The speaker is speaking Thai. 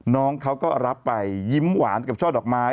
น้องเขาก็รับไปยิ้มหวานกับช่อดอกไม้